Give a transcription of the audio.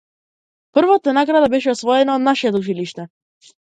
Првата награда беше освоена од нашето училиште.